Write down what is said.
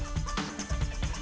kita akhiri ya setelah judul berikut